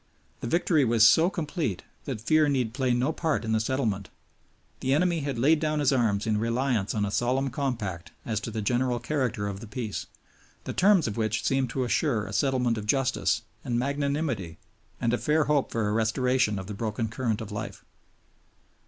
The victory was so complete that fear need play no part in the settlement. The enemy had laid down his arms in reliance on a solemn compact as to the general character of the Peace, the terms of which seemed to assure a settlement of justice and magnanimity and a fair hope for a restoration of the broken current of life.